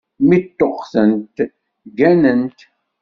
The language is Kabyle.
Mi ṭṭuqtent, gganent.